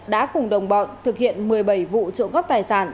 đã cùng đồng bọn thực hiện một mươi bảy vụ trộm cắp tài sản